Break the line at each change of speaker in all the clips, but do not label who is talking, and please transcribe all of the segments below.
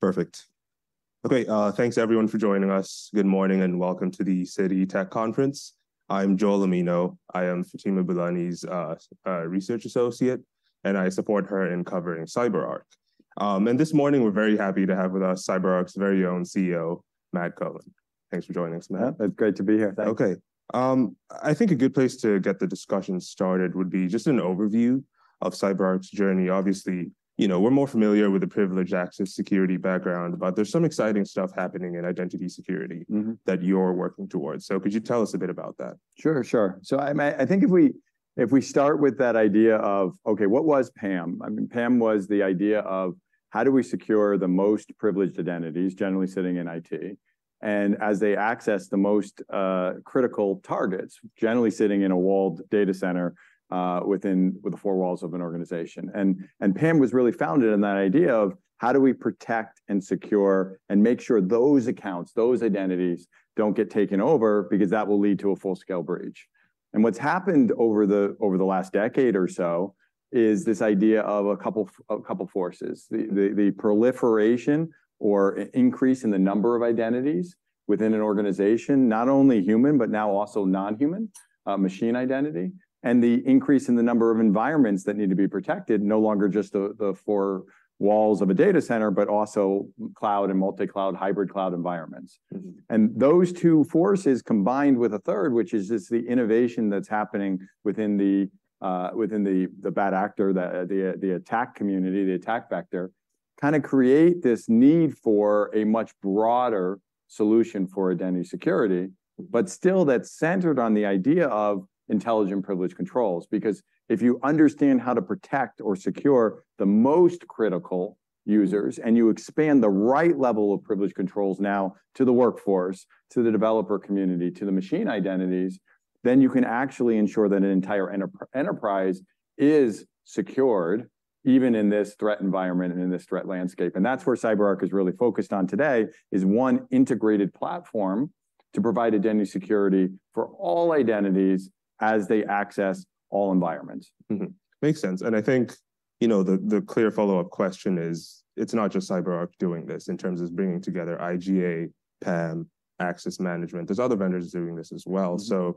Perfect. Okay, thanks everyone for joining us. Good morning, and welcome to the Citi Tech Conference. I'm Joel Omino. I am Fatima Boolani's research associate, and I support her in covering CyberArk. And this morning, we're very happy to have with us CyberArk's very own CEO, Matt Cohen. Thanks for joining us, Matt.
It's great to be here, thanks.
Okay, I think a good place to get the discussion started would be just an overview of CyberArk's journey. Obviously, you know, we're more familiar with the privileged access security background, but there's some exciting stuff happening in identity security-
Mm-hmm.
that you're working towards. So could you tell us a bit about that?
Sure, sure. So, I mean, I think if we, if we start with that idea of, okay, what was PAM? I mean, PAM was the idea of how do we secure the most privileged identities, generally sitting in IT, and as they access the most critical targets, generally sitting in a walled data center within the four walls of an organization. And PAM was really founded on that idea of how do we protect and secure, and make sure those accounts, those identities, don't get taken over, because that will lead to a full-scale breach. And what's happened over the last decade or so is this idea of a couple forces. The proliferation or increase in the number of identities within an organization, not only human, but now also non-human, machine identity, and the increase in the number of environments that need to be protected. No longer just the four walls of a data center, but also cloud and multi-cloud, hybrid cloud environments.
Mm-hmm.
Those two forces, combined with a third, which is just the innovation that's happening within the bad actor, the attack community, the attack vector, kind of create this need for a much broader solution for identity security. But still that's centered on the idea of intelligent privilege controls. Because if you understand how to protect or secure the most critical users, and you expand the right level of privilege controls now to the workforce, to the developer community, to the machine identities, then you can actually ensure that an entire enterprise is secured, even in this threat environment and in this threat landscape. And that's where CyberArk is really focused on today, is one integrated platform to provide identity security for all identities as they access all environments.
Mm-hmm. Makes sense. I think, you know, the clear follow-up question is, it's not just CyberArk doing this, in terms of bringing together IGA, PAM, access management. There's other vendors doing this as well.
Mm-hmm.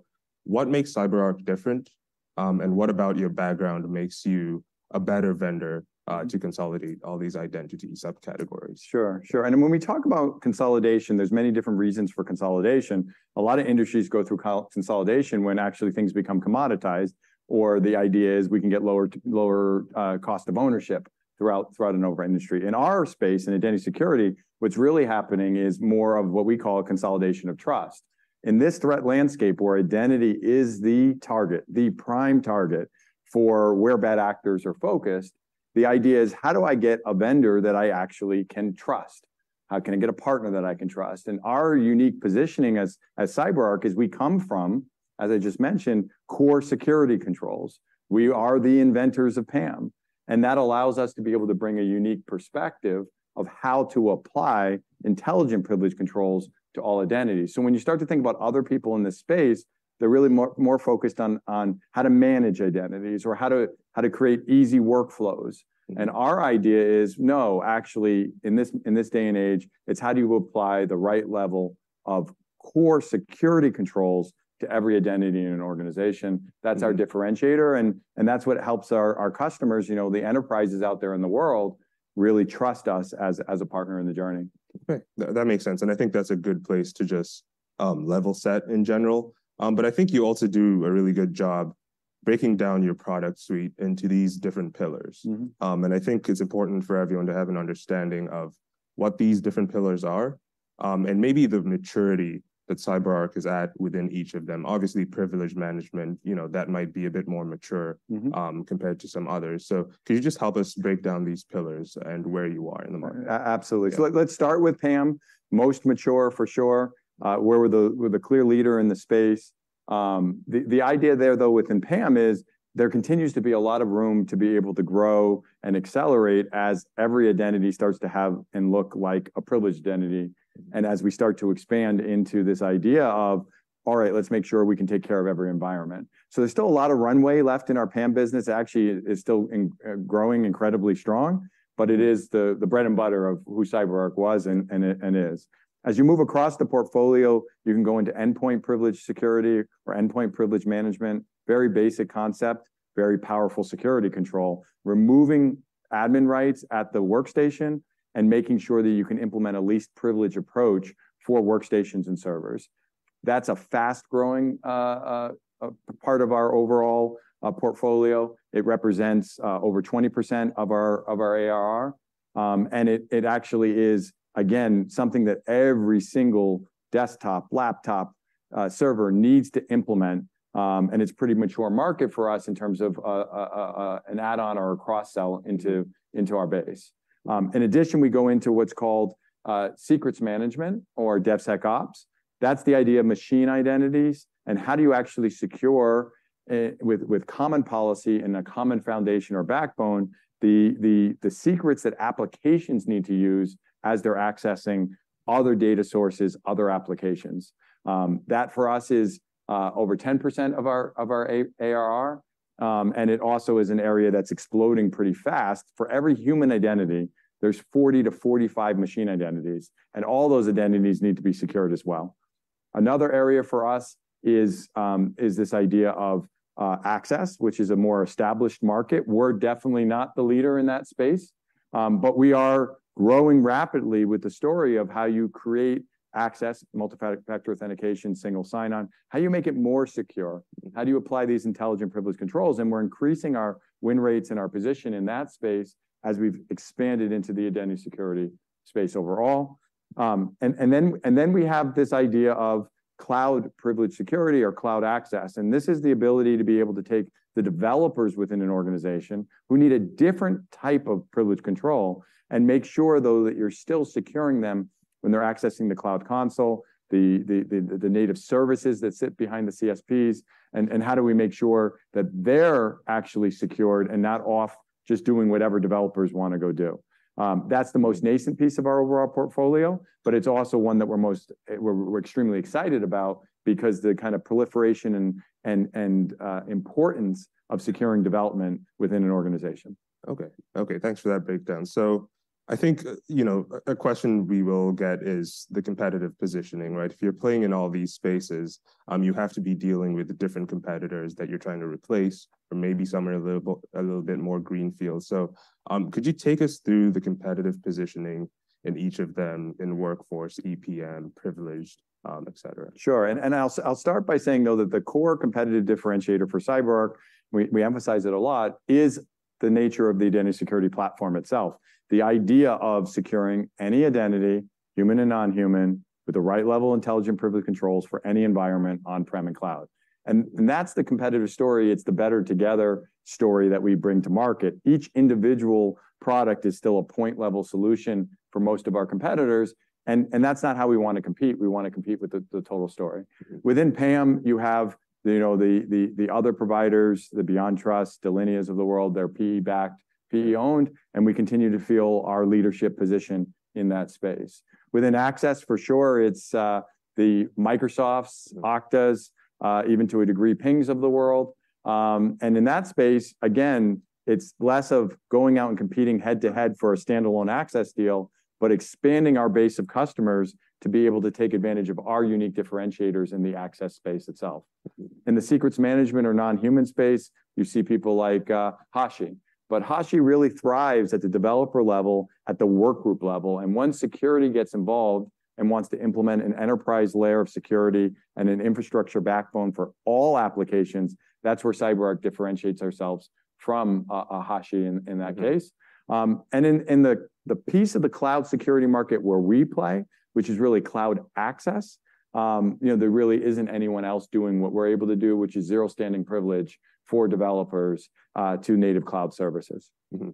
What makes CyberArk different, and what about your background makes you a better vendor, to consolidate all these identity subcategories?
Sure, sure. And when we talk about consolidation, there's many different reasons for consolidation. A lot of industries go through consolidation when actually things become commoditized, or the idea is we can get lower cost of ownership throughout an entire industry. In our space, in identity security, what's really happening is more of what we call a consolidation of trust. In this threat landscape, where identity is the target, the prime target for where bad actors are focused, the idea is: How do I get a vendor that I actually can trust? How can I get a partner that I can trust? And our unique positioning as CyberArk is we come from, as I just mentioned, core security controls. We are the inventors of PAM, and that allows us to be able to bring a unique perspective of how to apply intelligent privilege controls to all identities. So when you start to think about other people in this space, they're really more focused on how to manage identities or how to create easy workflows.
Mm-hmm.
Our idea is, no, actually in this, in this day and age, it's how do you apply the right level of core security controls to every identity in an organization?
Mm-hmm.
That's our differentiator, and that's what helps our customers, you know, the enterprises out there in the world, really trust us as a partner in the journey.
Okay, that, that makes sense, and I think that's a good place to just, level set in general. But I think you also do a really good job breaking down your product suite into these different pillars.
Mm-hmm.
I think it's important for everyone to have an understanding of what these different pillars are, and maybe the maturity that CyberArk is at within each of them. Obviously, privilege management, you know, that might be a bit more mature-
Mm-hmm...
compared to some others. So could you just help us break down these pillars and where you are in the market?
A- absolutely.
Yeah.
So let's start with PAM, most mature for sure, we're the clear leader in the space. The idea there, though, within PAM is there continues to be a lot of room to be able to grow and accelerate as every identity starts to have and look like a privileged identity. And as we start to expand into this idea of, all right, let's make sure we can take care of every environment. So there's still a lot of runway left in our PAM business. Actually, it's still growing incredibly strong, but it is the bread and butter of who CyberArk was and it and is. As you move across the portfolio, you can go into endpoint privilege security or endpoint privilege management, very basic concept, very powerful security control. Removing admin rights at the workstation and making sure that you can implement a least privilege approach for workstations and servers. That's a fast-growing part of our overall portfolio. It represents over 20% of our ARR. And it actually is, again, something that every single desktop, laptop, server needs to implement, and it's pretty mature market for us in terms of an add-on or a cross-sell into our base. In addition, we go into what's called secrets management or DevSecOps. That's the idea of machine identities and how do you actually secure with common policy and a common foundation or backbone, the secrets that applications need to use as they're accessing other data sources, other applications? That for us is over 10% of our ARR, and it also is an area that's exploding pretty fast. For every human identity, there's 40-45 machine identities, and all those identities need to be secured as well. Another area for us is this idea of access, which is a more established market. We're definitely not the leader in that space, but we are growing rapidly with the story of how you create access, multi-factor authentication, single sign-on, how you make it more secure, how do you apply these intelligent privilege controls? And we're increasing our win rates and our position in that space as we've expanded into the identity security space overall. And then we have this idea of cloud privilege security or Cloud Access, and this is the ability to be able to take the developers within an organization who need a different type of privilege control, and make sure, though, that you're still securing them when they're accessing the cloud console, the native services that sit behind the CSPs, and how do we make sure that they're actually secured and not off just doing whatever developers want to go do? That's the most nascent piece of our overall portfolio, but it's also one that we're extremely excited about because the kind of proliferation and importance of securing development within an organization.
Okay. Okay, thanks for that breakdown. So I think, you know, a question we will get is the competitive positioning, right? If you're playing in all these spaces, you have to be dealing with the different competitors that you're trying to replace or maybe some are a little bit more greenfield. So, could you take us through the competitive positioning in each of them in Workforce, EPM, Privileged, et cetera?
Sure. And I'll start by saying, though, that the core competitive differentiator for CyberArk, we emphasize it a lot, is the nature of the identity security platform itself. The idea of securing any identity, human and non-human, with the right level intelligent privilege controls for any environment on-prem and cloud. And that's the competitive story, it's the better together story that we bring to market. Each individual product is still a point-level solution for most of our competitors, and that's not how we want to compete. We want to compete with the total story.
Mm-hmm.
Within PAM, you know, the other providers, the BeyondTrust, Delinea of the world, they're PE-backed, PE-owned, and we continue to feel our leadership position in that space. Within access, for sure, it's the Microsofts, Okta, even to a degree, Ping of the world. And in that space, again, it's less of going out and competing head-to-head for a standalone access deal, but expanding our base of customers to be able to take advantage of our unique differentiators in the access space itself.
Mm-hmm.
In the secrets management or non-human space, you see people like Hashi. But Hashi really thrives at the developer level, at the workgroup level, and once security gets involved and wants to implement an enterprise layer of security and an infrastructure backbone for all applications, that's where CyberArk differentiates ourselves from a Hashi in that case.
Mm-hmm.
In the piece of the cloud security market where we play, which is really cloud access, you know, there really isn't anyone else doing what we're able to do, which is zero standing privilege for developers to native cloud services.
Mm-hmm.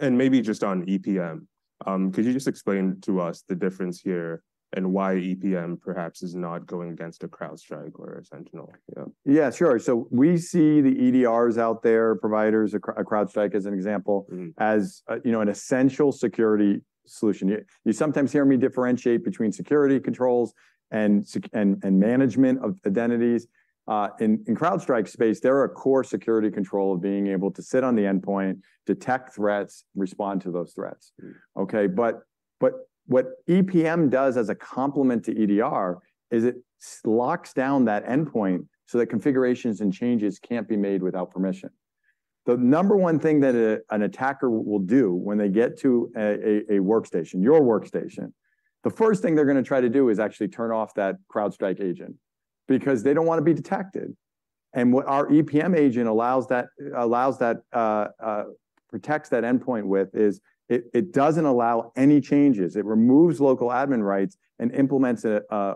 And maybe just on EPM, could you just explain to us the difference here and why EPM perhaps is not going against a CrowdStrike or a Sentinel, yeah?
Yeah, sure. So we see the EDRs out there, providers, a CrowdStrike as an example as, you know, an essential security solution. You sometimes hear me differentiate between security controls and management of identities. In CrowdStrike's space, they're a core security control of being able to sit on the endpoint, detect threats, respond to those threats. Okay, but what EPM does as a complement to EDR is it locks down that endpoint so that configurations and changes can't be made without permission. The number one thing that an attacker will do when they get to a workstation, your workstation, the first thing they're gonna try to do is actually turn off that CrowdStrike agent, because they don't want to be detected. And what our EPM agent allows that protects that endpoint with is, it doesn't allow any changes. It removes local admin rights and implements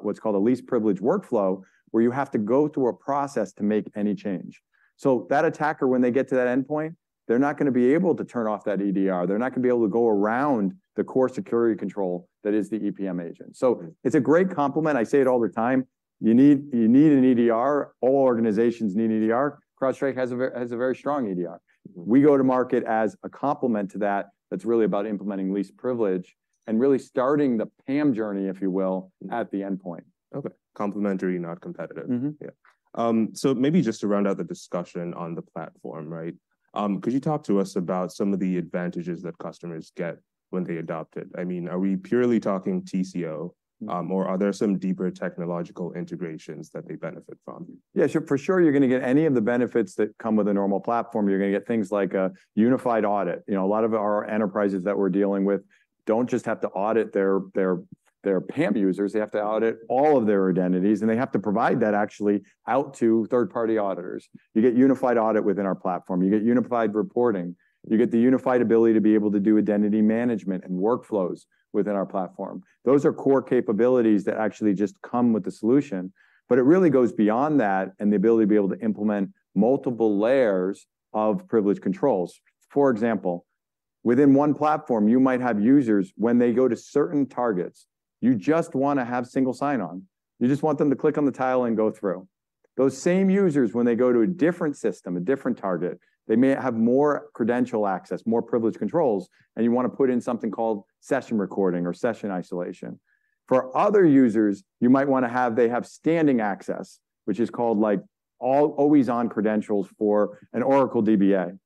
what's called a least privilege workflow, where you have to go through a process to make any change. So that attacker, when they get to that endpoint, they're not gonna be able to turn off that EDR. They're not gonna be able to go around the core security control that is the EPM agent. So it's a great complement. I say it all the time, you need an EDR, all organizations need EDR. CrowdStrike has a very strong EDR. We go to market as a complement to that, that's really about implementing least privilege and really starting the PAM journey, if you will at the endpoint.
Okay. Complementary, not competitive.
Mm-hmm.
Yeah. So maybe just to round out the discussion on the platform, right? Could you talk to us about some of the advantages that customers get when they adopt it? I mean, are we purely talking TCO or are there some deeper technological integrations that they benefit from?
Yeah, sure. For sure, you're gonna get any of the benefits that come with a normal platform. You're gonna get things like a unified audit. You know, a lot of our enterprises that we're dealing with don't just have to audit their PAM users, they have to audit all of their identities, and they have to provide that actually out to third-party auditors. You get unified audit within our platform. You get unified reporting. You get the unified ability to be able to do identity management and workflows within our platform. Those are core capabilities that actually just come with the solution, but it really goes beyond that, and the ability to be able to implement multiple layers of privilege controls. For example, within one platform, you might have users, when they go to certain targets, you just wanna have single sign-on. You just want them to click on the tile and go through. Those same users, when they go to a different system, a different target, they may have more credential access, more privileged controls, and you wanna put in something called session recording or session isolation. For other users, you might wanna have... They have standing access, which is called, like, always-on credentials for an Oracle DBA....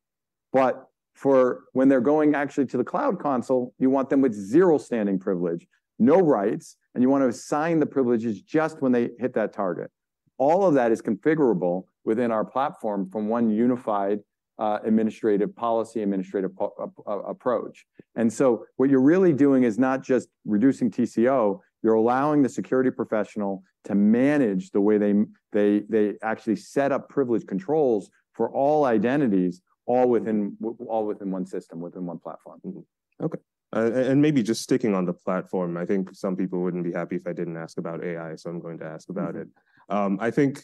but for when they're going actually to the cloud console, you want them with zero standing privilege, no rights, and you want to assign the privileges just when they hit that target. All of that is configurable within our platform from one unified administrative policy approach. So what you're really doing is not just reducing TCO, you're allowing the security professional to manage the way they actually set up privilege controls for all identities, all within one system, within one platform.
Mm-hmm. Okay. And maybe just sticking on the platform, I think some people wouldn't be happy if I didn't ask about AI, so I'm going to ask about it. I think,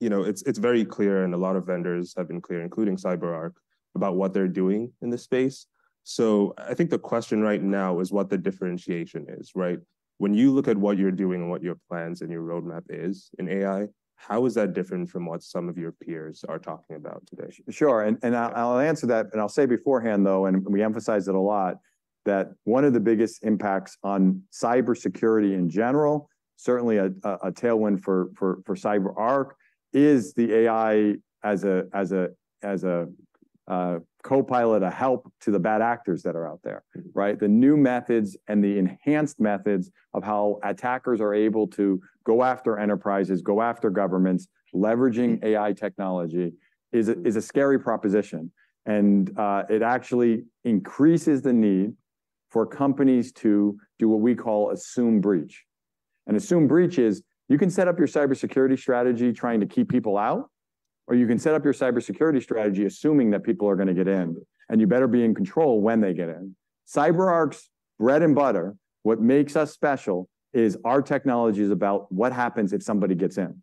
you know, it's very clear and a lot of vendors have been clear, including CyberArk, about what they're doing in this space. So I think the question right now is what the differentiation is, right? When you look at what you're doing and what your plans and your roadmap is in AI, how is that different from what some of your peers are talking about today?
Sure, I'll answer that, and I'll say beforehand, though, that we emphasize it a lot, that one of the biggest impacts on cybersecurity in general, certainly a tailwind for CyberArk, is the AI as a co-pilot, a help to the bad actors that are out there.
Mm-hmm.
Right? The new methods and the enhanced methods of how attackers are able to go after enterprises, go after governments, leveraging AI technology, is a scary proposition. And it actually increases the need for companies to do what we call Assume Breach. And Assume Breach is, you can set up your cybersecurity strategy trying to keep people out, or you can set up your cybersecurity strategy assuming that people are gonna get in, and you better be in control when they get in. CyberArk's bread and butter, what makes us special, is our technology is about what happens if somebody gets in.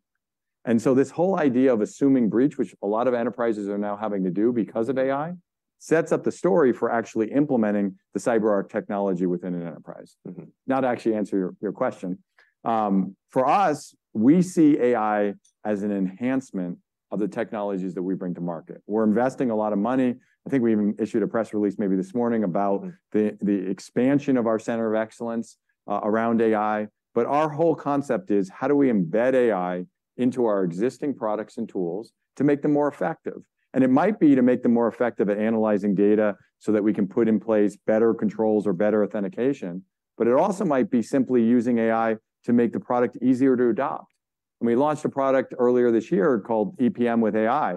And so this whole idea of assuming breach, which a lot of enterprises are now having to do because of AI, sets up the story for actually implementing the CyberArk technology within an enterprise.
Mm-hmm.
Now to actually answer your question. For us, we see AI as an enhancement of the technologies that we bring to market. We're investing a lot of money. I think we even issued a press release maybe this morning about the expansion of our center of excellence around AI. But our whole concept is, how do we embed AI into our existing products and tools to make them more effective? And it might be to make them more effective at analyzing data, so that we can put in place better controls or better authentication, but it also might be simply using AI to make the product easier to adopt. When we launched a product earlier this year called EPM with AI,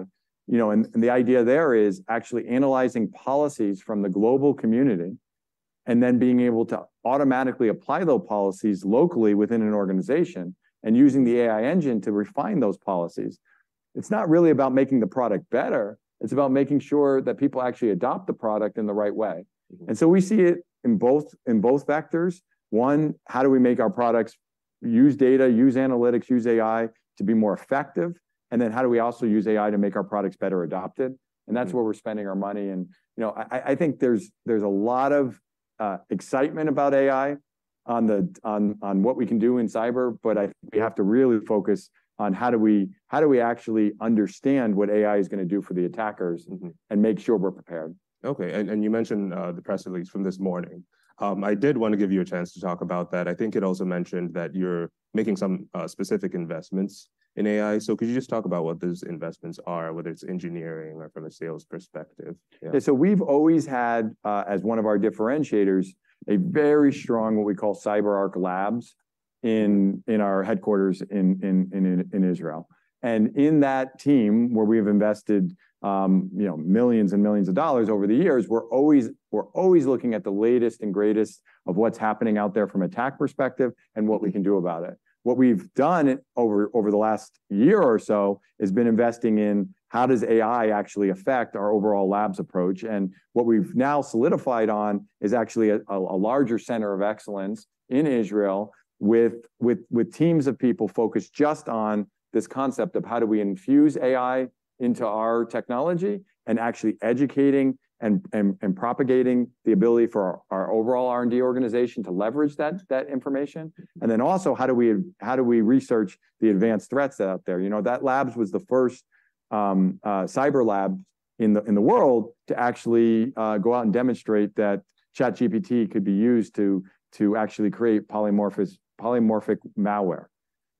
you know, and the idea there is actually analyzing policies from the global community, and then being able to automatically apply those policies locally within an organization, and using the AI engine to refine those policies. It's not really about making the product better, it's about making sure that people actually adopt the product in the right way. And so we see it in both, in both vectors. One, how do we make our products use data, use analytics, use AI to be more effective? And then how do we also use AI to make our products better adopted? That's where we're spending our money and, you know, I think there's a lot of excitement about AI on what we can do in cyber, but we have to really focus on how do we actually understand what AI is gonna do for the attackers-
Mm-hmm...
and make sure we're prepared.
Okay. And you mentioned the press release from this morning. I did wanna give you a chance to talk about that. I think it also mentioned that you're making some specific investments in AI. So could you just talk about what those investments are, whether it's engineering or from a sales perspective? Yeah.
Yeah, so we've always had as one of our differentiators a very strong what we call CyberArk Labs in Israel. And in that team, where we've invested, you know, millions and millions of dollars over the years, we're always looking at the latest and greatest of what's happening out there from attack perspective, and what we can do about it. What we've done over the last year or so has been investing in how does AI actually affect our overall labs approach? And what we've now solidified on is actually a larger center of excellence in Israel, with teams of people focused just on this concept of how do we infuse AI into our technology, and actually educating and propagating the ability for our overall R&D organization to leverage that information. Then also, how do we research the advanced threats that are out there? You know, that Labs was the first cyber lab in the world to actually go out and demonstrate that ChatGPT could be used to actually create polymorphic malware.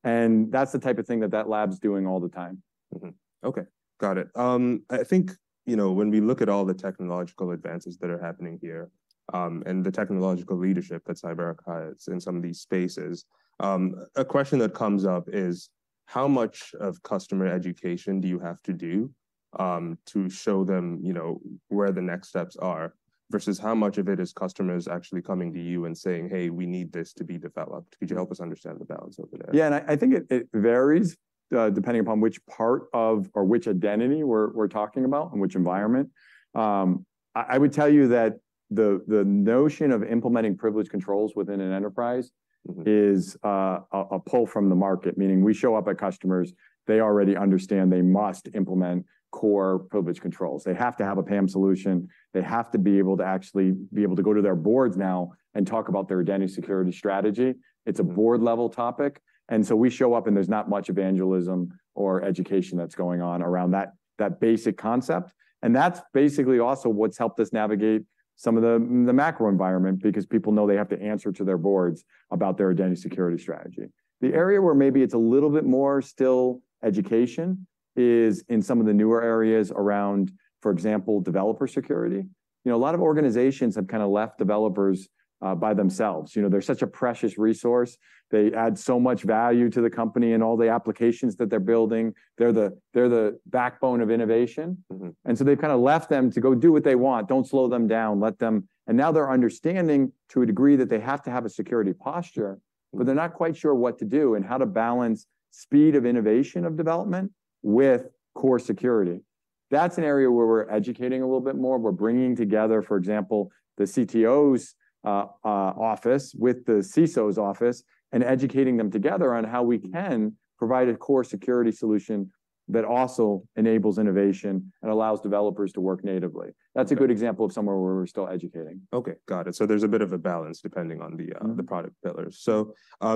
And that's the type of thing that that lab's doing all the time.
Mm-hmm. Okay, got it. I think, you know, when we look at all the technological advances that are happening here, and the technological leadership that CyberArk has in some of these spaces, a question that comes up is: How much of customer education do you have to do, to show them, you know, where the next steps are? Versus how much of it is customers actually coming to you and saying, "Hey, we need this to be developed. Could you help us understand the balance over there?
Yeah, and I think it varies depending upon which part of or which identity we're talking about, and which environment. I would tell you that the notion of implementing privilege controls within an enterprise-
Mm-hmm.
is a pull from the market, meaning we show up at customers, they already understand they must implement core privilege controls. They have to have a PAM solution. They have to be able to actually go to their boards now and talk about their identity security strategy. It's a board-level topic, and so we show up, and there's not much evangelism or education that's going on around that, that basic concept. And that's basically also what's helped us navigate some of the macro environment, because people know they have to answer to their boards about their identity security strategy. The area where maybe it's a little bit more still education is in some of the newer areas around, for example, developer security. You know, a lot of organizations have kind of left developers by themselves. You know, they're such a precious resource. They add so much value to the company and all the applications that they're building. They're the backbone of innovation.
Mm-hmm.
They've kind of left them to go do what they want. Don't slow them down, let them... Now they're understanding, to a degree, that they have to have a security posture but they're not quite sure what to do and how to balance speed of innovation of development with core security. That's an area where we're educating a little bit more. We're bringing together, for example, the CTO's office with the CISO's office and educating them together on how we can provide a core security solution that also enables innovation and allows developers to work natively. That's a good example of somewhere where we're still educating.
Okay, got it. So there's a bit of a balance, depending on the, the product pillars. So,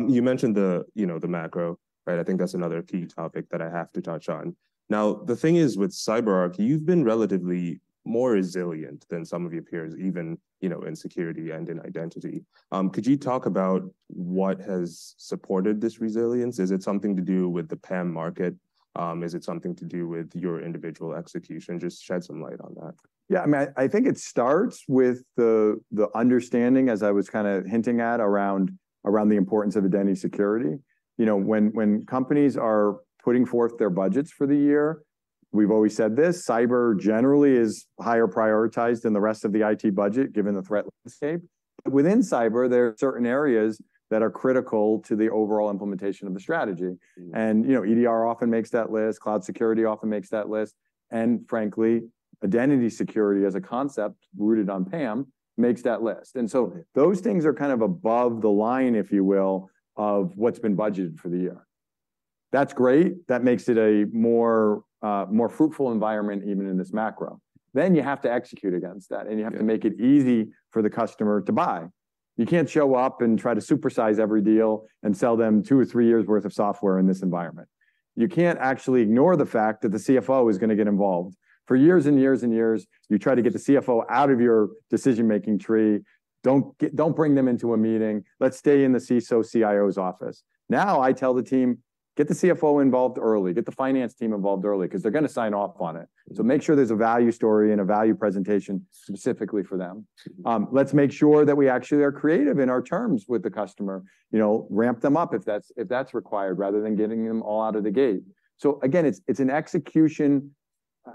you mentioned the, you know, the macro, right? I think that's another key topic that I have to touch on. Now, the thing is, with CyberArk, you've been relatively more resilient than some of your peers, even, you know, in security and in identity. Could you talk about what has supported this resilience? Is it something to do with the PAM market? Is it something to do with your individual execution? Just shed some light on that.
Yeah, I mean, I think it starts with the understanding, as I was kind of hinting at, around the importance of identity security. You know, when companies are putting forth their budgets for the year, we've always said this: cyber generally is higher prioritized than the rest of the IT budget, given the threat landscape. But within cyber, there are certain areas that are critical to the overall implementation of the strategy.
Mm-hmm.
And, you know, EDR often makes that list, cloud security often makes that list, and frankly, identity security as a concept, rooted on PAM, makes that list. And so those things are kind of above the line, if you will, of what's been budgeted for the year. That's great. That makes it a more, more fruitful environment, even in this macro. Then you have to execute against that and you have to make it easy for the customer to buy. You can't show up and try to supersize every deal and sell them two or three years' worth of software in this environment. You can't actually ignore the fact that the CFO is going to get involved. For years and years and years, you try to get the CFO out of your decision-making tree. "Don't bring them into a meeting. Let's stay in the CISO, CIO's office." Now, I tell the team, "Get the CFO involved early. Get the finance team involved early, 'cause they're going to sign off on it. So make sure there's a value story and a value presentation specifically for them. Let's make sure that we actually are creative in our terms with the customer. You know, ramp them up if that's required, rather than giving them all out of the gate." So again, it's an execution,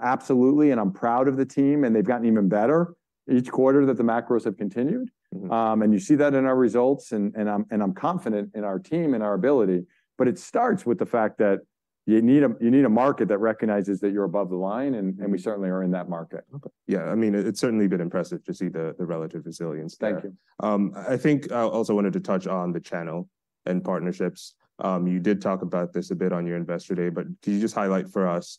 absolutely, and I'm proud of the team, and they've gotten even better each quarter that the macros have continued.
Mm-hmm.
And you see that in our results, and I'm confident in our team and our ability. But it starts with the fact that you need a market that recognizes that you're above the line and, and we certainly are in that market.
Okay. Yeah, I mean, it's certainly been impressive to see the relative resilience there.
Thank you.
I think I also wanted to touch on the channel and partnerships. You did talk about this a bit on your Investor Day, but could you just highlight for us,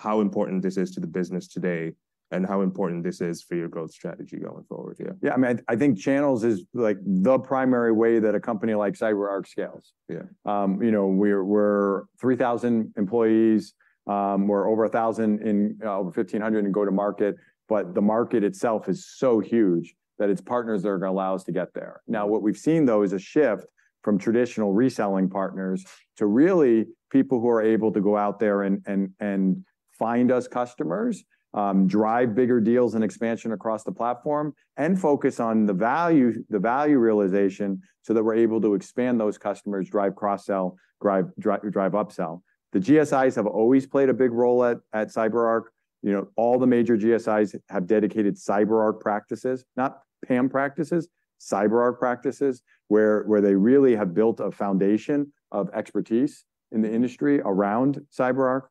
how important this is to the business today, and how important this is for your growth strategy going forward here?
Yeah, I mean, I think channels is, like, the primary way that a company like CyberArk scales.
Yeah.
You know, we're 3,000 employees. We're over 1,000 in over 1,500 in go-to-market, but the market itself is so huge that it's partners that are going to allow us to get there. Now, what we've seen, though, is a shift from traditional reselling partners to really people who are able to go out there and find us customers, drive bigger deals and expansion across the platform, and focus on the value, the value realization, so that we're able to expand those customers, drive cross-sell, drive, drive, drive upsell. The GSIs have always played a big role at CyberArk. You know, all the major GSIs have dedicated CyberArk practices, not PAM practices, CyberArk practices, where they really have built a foundation of expertise in the industry around CyberArk.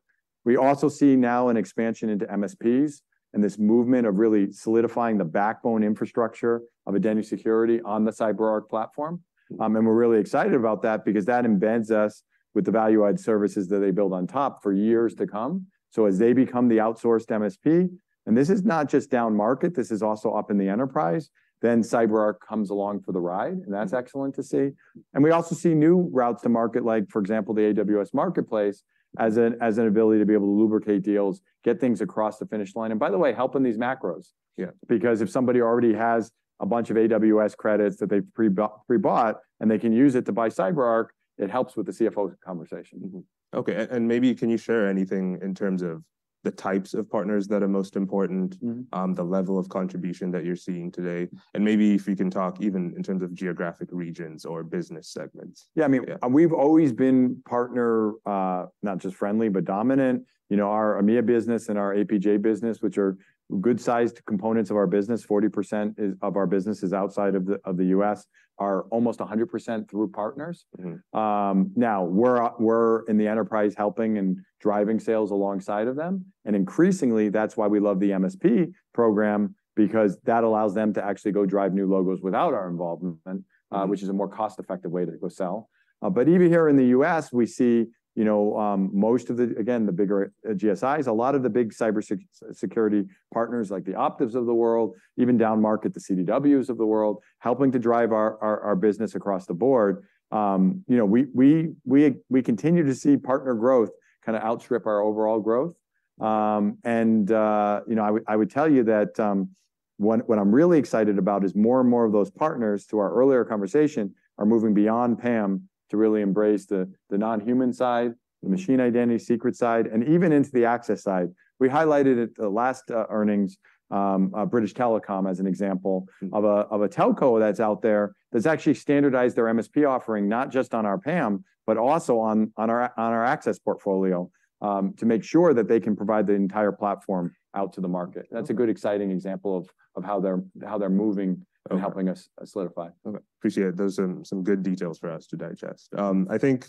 We also see now an expansion into MSPs, and this movement of really solidifying the backbone infrastructure of identity security on the CyberArk platform. And we're really excited about that because that embeds us with the value-add services that they build on top for years to come. So as they become the outsourced MSP, and this is not just down market, this is also up in the enterprise, then CyberArk comes along for the ride, and that's excellent to see. And we also see new routes to market, like, for example, the AWS Marketplace, as an ability to be able to lubricate deals, get things across the finish line, and by the way, helping these macros.
Yeah.
Because if somebody already has a bunch of AWS credits that they've pre-bought, and they can use it to buy CyberArk, it helps with the CFO conversation.
Mm-hmm. Okay, maybe can you share anything in terms of the types of partners that are most important?
Mm-hmm.
And the level of contribution that you're seeing today, and maybe if you can talk even in terms of geographic regions or business segments.
Yeah, I mean, we've always been partner, not just friendly, but dominant. You know, our EMEA business and our APJ business, which are good-sized components of our business, 40% is, of our business is outside of the U.S., are almost 100% through partners.
Mm-hmm.
Now, we're in the enterprise helping and driving sales alongside of them. And increasingly, that's why we love the MSP program because that allows them to actually go drive new logos without our involvement-
Mm-hmm...
which is a more cost-effective way to go sell. But even here in the U.S., we see, you know, most of the, again, the bigger GSIs, a lot of the big cybersecurity partners, like the Optivs of the world, even down market, the CDWs of the world, helping to drive our business across the board. You know, we continue to see partner growth kind of outstrip our overall growth. And, you know, I would tell you that, what I'm really excited about is more and more of those partners, to our earlier conversation, are moving beyond PAM to really embrace the non-human side, the machine identity secret side, and even into the access side. We highlighted at the last earnings, British Telecom as an example, of a telco that's out there, that's actually standardized their MSP offering, not just on our PAM, but also on our access portfolio, to make sure that they can provide the entire platform out to the market. That's a good, exciting example of how they're moving-
Okay ...
and helping us solidify.
Okay, appreciate it. Those are some good details for us to digest. I think,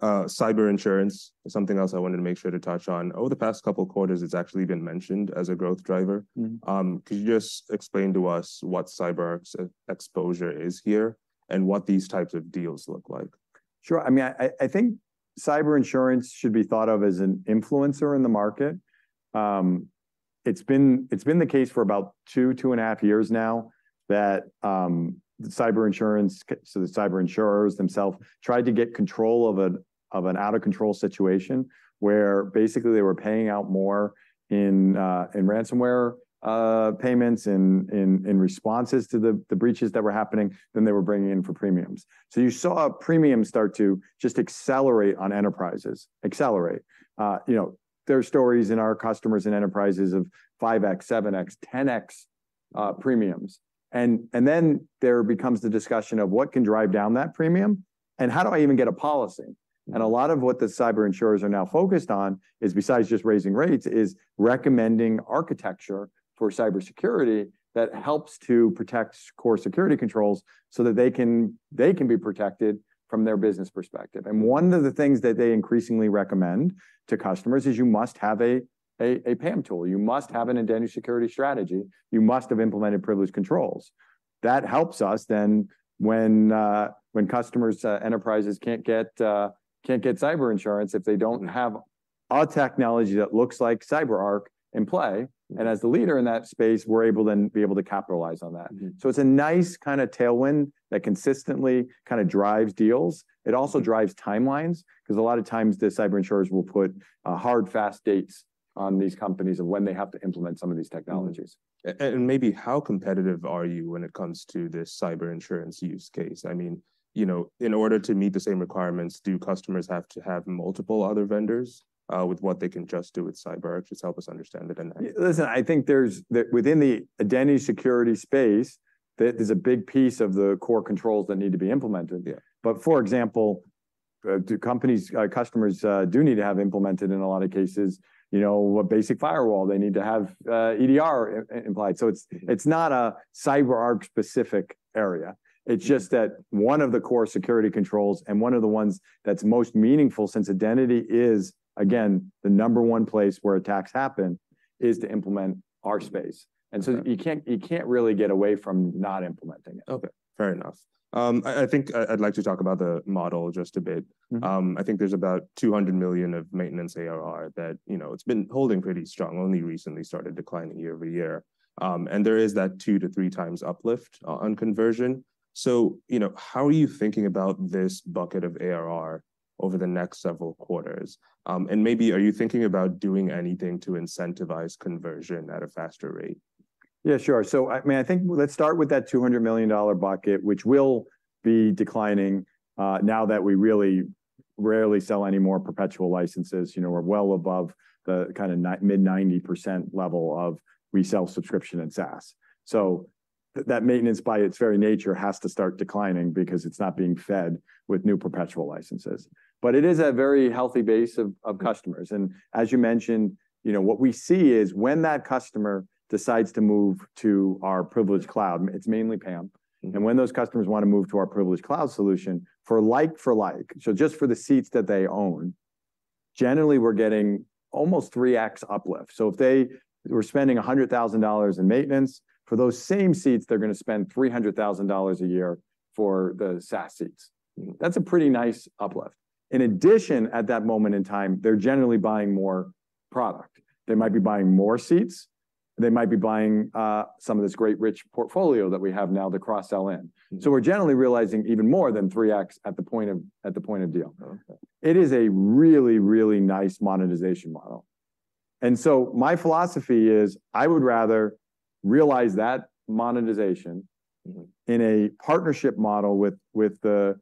cyber insurance is something else I wanted to make sure to touch on. Over the past couple of quarters, it's actually been mentioned as a growth driver.
Mm-hmm.
Could you just explain to us what cyber exposure is here and what these types of deals look like?
Sure. I mean, I think cyber insurance should be thought of as an influencer in the market. It's been the case for about 2, 2.5 years now that cyber insurance, so the cyber insurers themselves tried to get control of an out-of-control situation, where basically, they were paying out more in ransomware payments, in responses to the breaches that were happening than they were bringing in for premiums. So you saw premiums start to just accelerate on enterprises. Accelerate. You know, there are stories in our customers and enterprises of 5x, 7x, 10x premiums. And then there becomes the discussion of what can drive down that premium, and how do I even get a policy? A lot of what the cyber insurers are now focused on is, besides just raising rates, is recommending architecture for cybersecurity that helps to protect core security controls so that they can, they can be protected from their business perspective. And one of the things that they increasingly recommend to customers is you must have a PAM tool. You must have an identity security strategy. You must have implemented privilege controls. That helps us then when customers, enterprises can't get, can't get cyber insurance if they don't have a technology that looks like CyberArk in play. And as the leader in that space, we're able to then be able to capitalize on that.
Mm-hmm.
It's a nice kind of tailwind that consistently kind of drives deals. It also drives timelines, because a lot of times, the cyber insurers will put hard, fast dates on these companies of when they have to implement some of these technologies.
And maybe how competitive are you when it comes to this cyber insurance use case? I mean, you know, in order to meet the same requirements, do customers have to have multiple other vendors, with what they can just do with CyberArk? Just help us understand it a bit.
Listen, I think there's within the identity security space. There's a big piece of the core controls that need to be implemented.
Yeah.
But for example, do companies, customers, do need to have implemented, in a lot of cases, you know, a basic firewall. They need to have EDR implemented. So it's, it's not a CyberArk-specific area. It's just that one of the core security controls, and one of the ones that's most meaningful, since identity is, again, the number one place where attacks happen, is to implement our SaaS.
Okay.
You can't, you can't really get away from not implementing it.
Okay, fair enough. I think I'd like to talk about the model just a bit.
Mm-hmm.
I think there's about $200 million of maintenance ARR that, you know, it's been holding pretty strong, only recently started declining year-over-year. And there is that 2-3x uplift on conversion. So, you know, how are you thinking about this bucket of ARR over the next several quarters? And maybe are you thinking about doing anything to incentivize conversion at a faster rate?
Yeah, sure. So I mean, I think let's start with that $200 million bucket, which will be declining now that we really rarely sell any more perpetual licenses. You know, we're well above the kind of mid-90% level of recurring subscription and SaaS. So that maintenance, by its very nature, has to start declining because it's not being fed with new perpetual licenses. But it is a very healthy base of customers. As you mentioned, you know, what we see is when that customer decides to move to our Privileged Cloud, it's mainly PAM.
Mm-hmm.
When those customers want to move to our privileged cloud solution, for like-for-like, so just for the seats that they own, generally, we're getting almost 3x uplift. So if they were spending $100,000 in maintenance, for those same seats, they're going to spend $300,000 a year for the SaaS seats. That's a pretty nice uplift. In addition, at that moment in time, they're generally buying more product. They might be buying more seats, they might be buying some of this great rich portfolio that we have now to cross-sell in.
Mm-hmm.
We're generally realizing even more than 3x at the point of deal.
Okay.
It is a really, really nice monetization model. So my philosophy is, I would rather realize that monetization-
Mm-hmm...
in a partnership model with the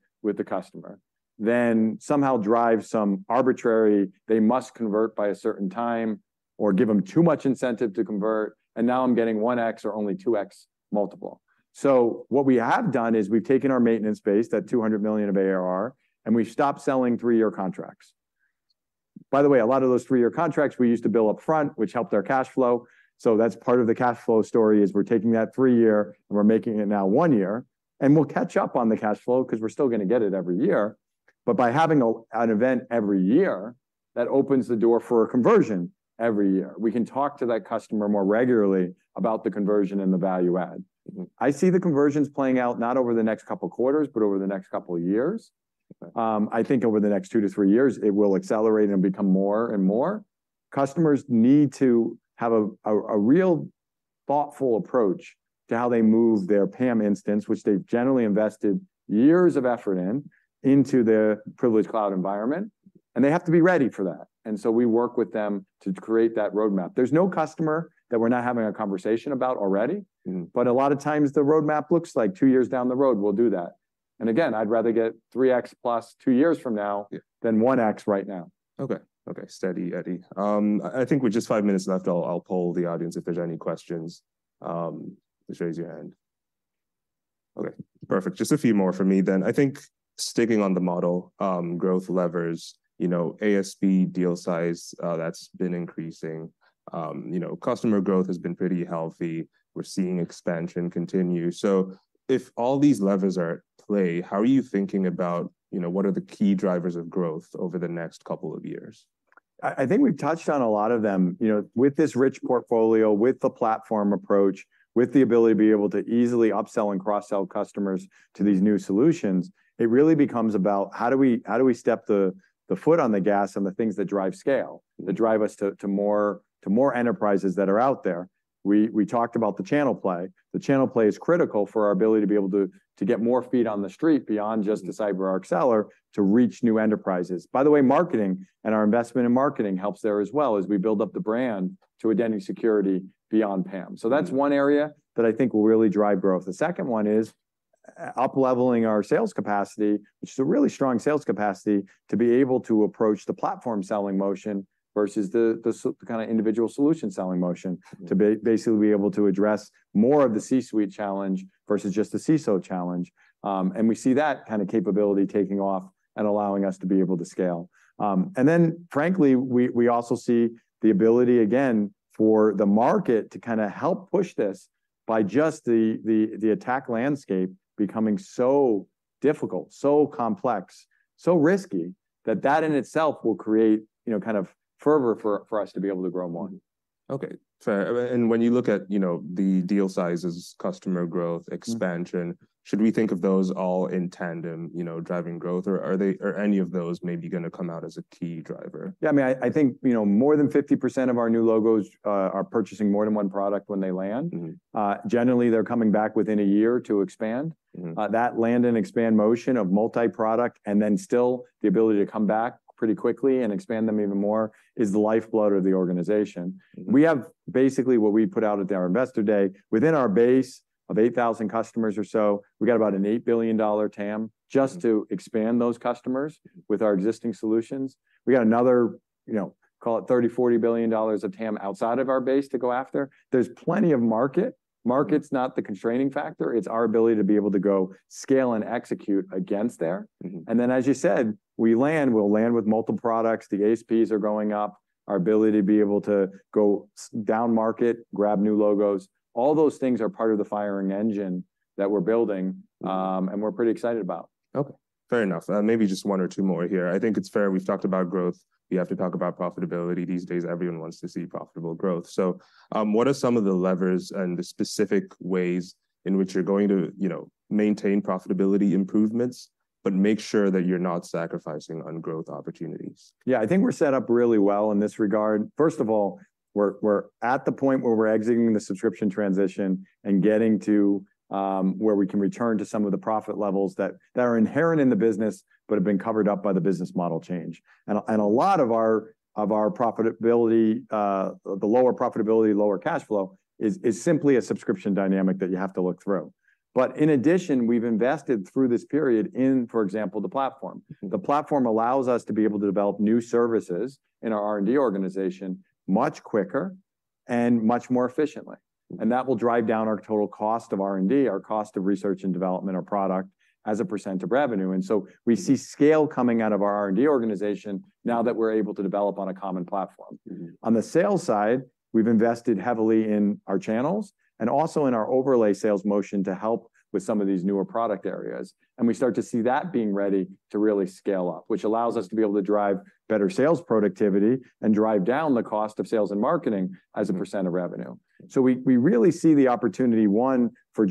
customer, rather than somehow drive some arbitrary, they must convert by a certain time or give them too much incentive to convert, and now I'm getting 1x or only 2x multiple. So what we have done is we've taken our maintenance base, that $200 million of ARR, and we've stopped selling three-year contracts. By the way, a lot of those three-year contracts we used to bill upfront, which helped our cash flow, so that's part of the cash flow story, is we're taking that three-year and we're making it now one year, and we'll catch up on the cash flow because we're still going to get it every year. But by having an event every year, that opens the door for a conversion every year. We can talk to that customer more regularly about the conversion and the value add.
Mm-hmm.
I see the conversions playing out not over the next couple of quarters, but over the next couple of years.
Okay.
I think over the next two-three years, it will accelerate and become more and more. Customers need to have a real thoughtful approach to how they move their PAM instance, which they've generally invested years of effort in, into the privileged cloud environment, and they have to be ready for that. So we work with them to create that roadmap. There's no customer that we're not having a conversation about already.
Mm-hmm.
But a lot of times the roadmap looks like two years down the road, we'll do that. And again, I'd rather get 3x plus two years from now-
Yeah...
than 1x right now.
Okay. Okay, steady Eddie. I think with just five minutes left, I'll poll the audience if there's any questions, just raise your hand. Okay, perfect. Just a few more from me then. I think sticking on the model, growth levers, you know, ASP, deal size, that's been increasing. You know, customer growth has been pretty healthy. We're seeing expansion continue. So if all these levers are at play, how are you thinking about, you know, what are the key drivers of growth over the next couple of years?
I think we've touched on a lot of them. You know, with this rich portfolio, with the platform approach, with the ability to be able to easily upsell and cross-sell customers to these new solutions, it really becomes about how do we step the foot on the gas and the things that drive scale, that drive us to more enterprises that are out there? We talked about the channel play. The channel play is critical for our ability to be able to get more feet on the street beyond just the CyberArk seller, to reach new enterprises. By the way, marketing and our investment in marketing helps there as well as we build up the brand to identity security beyond PAM. So that's one area that I think will really drive growth. The second one is upleveling our sales capacity, which is a really strong sales capacity, to be able to approach the platform selling motion versus the kind of individual solution selling motion to basically be able to address more of the C-suite challenge versus just the CISO challenge. And we see that kind of capability taking off and allowing us to be able to scale. And then frankly, we also see the ability, again, for the market to kind of help push this by just the attack landscape becoming so difficult, so complex, so risky, that in itself will create, you know, kind of fervor for us to be able to grow more.
Okay. Fair. And when you look at, you know, the deal sizes, customer growth, expansion-
Mm-hmm ...
should we think of those all in tandem, you know, driving growth, or are they, are any of those maybe going to come out as a key driver?
Yeah, I mean, I think, you know, more than 50% of our new logos are purchasing more than one product when they land.
Mm-hmm.
Generally, they're coming back within a year to expand.
Mm-hmm.
That land and expand motion of multi-product, and then still the ability to come back pretty quickly and expand them even more, is the lifeblood of the organization.
Mm-hmm.
We have basically what we put out at our Investor Day, within our base of 8,000 customers or so, we've got about an $8 billion TAM just to expand those customers with our existing solutions. We got another, you know, call it $30-$40 billion of TAM outside of our base to go after. There's plenty of market. Market's not the constraining factor, it's our ability to be able to go scale and execute against there.
Mm-hmm.
And then, as you said, we land, we'll land with multiple products, the ASPs are going up, our ability to be able to go down market, grab new logos, all those things are part of the firing engine that we're building, and we're pretty excited about.
Okay, fair enough. Maybe just one or two more here. I think it's fair, we've talked about growth, we have to talk about profitability. These days, everyone wants to see profitable growth. So, what are some of the levers and the specific ways in which you're going to, you know, maintain profitability improvements, but make sure that you're not sacrificing on growth opportunities?
Yeah, I think we're set up really well in this regard. First of all, we're at the point where we're exiting the subscription transition and getting to where we can return to some of the profit levels that are inherent in the business, but have been covered up by the business model change. And a lot of our profitability, the lower profitability, lower cash flow, is simply a subscription dynamic that you have to look through. But in addition, we've invested through this period in, for example, the platform.
Mm-hmm.
The platform allows us to be able to develop new services in our R&D organization much quicker and much more efficiently.
Mm-hmm.
That will drive down our total cost of R&D, our cost of research and development, our product, as a percent of revenue. We see scale coming out of our R&D organization now that we're able to develop on a common platform.
Mm-hmm.
On the sales side, we've invested heavily in our channels and also in our overlay sales motion to help with some of these newer product areas. We start to see that being ready to really scale up, which allows us to be able to drive better sales productivity and drive down the cost of sales and marketing as a % of revenue. So we really see the opportunity, one, for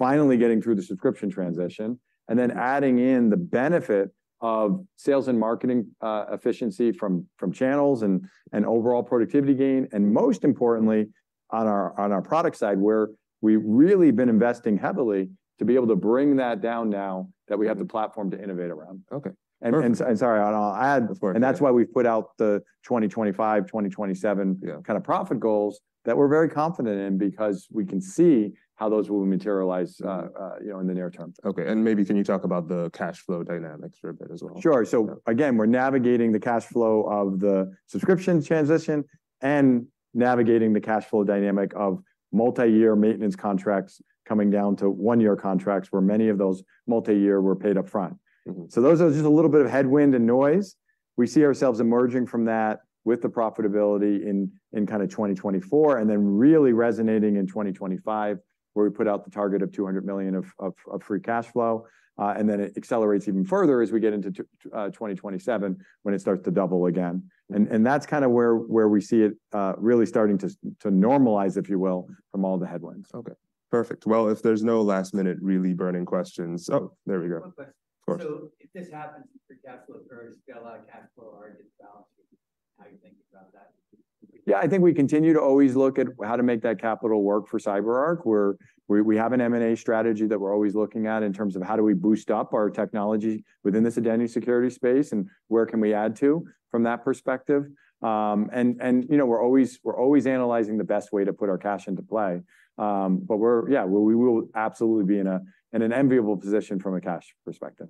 finally getting through the subscription transition, and then adding in the benefit of sales and marketing efficiency from channels and overall productivity gain. Most importantly, on our product side, where we've really been investing heavily to be able to bring that down now that we have the platform to innovate around.
Okay, perfect.
Sorry, and I'll add-
Of course.
That's why we've put out the 2025, 2027-
Yeah
kind of profit goals that we're very confident in, because we can see how those will materialize, you know, in the near term.
Okay. And maybe can you talk about the cash flow dynamics for a bit as well?
Sure. So again, we're navigating the cash flow of the subscription transition and navigating the cash flow dynamic of multi-year maintenance contracts coming down to one-year contracts, where many of those multi-year were paid upfront.
Mm-hmm.
So those are just a little bit of headwind and noise. We see ourselves emerging from that with the profitability in kind of 2024, and then really resonating in 2025, where we put out the target of $200 million of free cash flow. And then it accelerates even further as we get into twenty twenty-seven, when it starts to double again. And that's kind of where we see it really starting to normalize, if you will, from all the headwinds.
Okay, perfect. Well, if there's no last-minute really burning questions... Oh, there we go.
One question. So if this happens, your cash flow curves get a lot of cash flow are imbalanced, how you think about that?
Yeah, I think we continue to always look at how to make that capital work for CyberArk, where we have an M&A strategy that we're always looking at in terms of how do we boost up our technology within this identity security space, and where can we add to from that perspective. And, you know, we're always analyzing the best way to put our cash into play. But yeah, we will absolutely be in an enviable position from a cash perspective.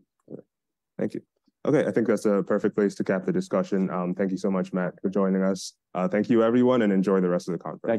Thank you. Okay, I think that's a perfect place to cap the discussion. Thank you so much, Matt, for joining us. Thank you everyone, and enjoy the rest of the conference.
Thank you.